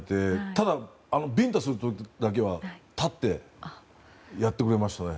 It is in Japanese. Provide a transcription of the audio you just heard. ただ、ビンタする時だけは立ってやってくれましたね。